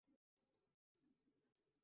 বৌদ্ধ পরিভাষায় এর নাম হলো, ‘আকাশ-প্রদীপ’।